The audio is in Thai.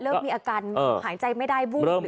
เริ่มมีอาการหายใจไม่ได้วูบ